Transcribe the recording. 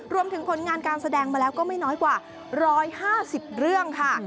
ผลงานการแสดงมาแล้วก็ไม่น้อยกว่า๑๕๐เรื่องค่ะ